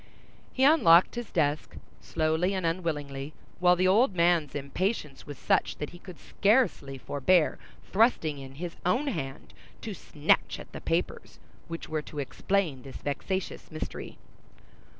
He unlocked his desk, slowly and unwillingly, while the old man's impatience was such that he could scarcely forbear thrusting in his own hand to snatch at the papers which were to explain this vexatious mystery.